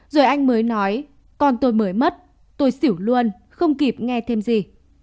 rồi anh mới nói con tôi mới mất tôi xỉu luôn không kịp nghe thêm gì